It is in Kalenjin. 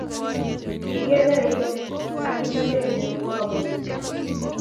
Kikwer karit ak kimnatet neo kwo bolik.